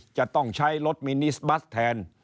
จะต้องใช้รถมินิสบัสแทน